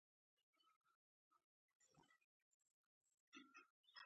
مالوماتي ټکنالوژي سره د ژوند معیاري کېږي.